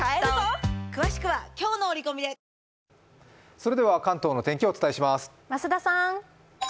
それでは関東の天気をお伝えします。